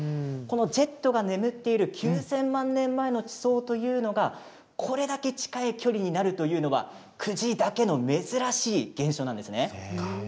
このジェットが眠っている９０００万年前の地層というのがこれだけ近い距離になるというのは久慈だけの珍しい現象なんです。